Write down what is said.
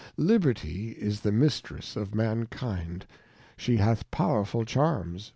Liberty is the Mistress of Mankind, she hath powerful Charms